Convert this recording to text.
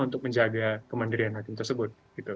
untuk menjaga kemandirian hakim tersebut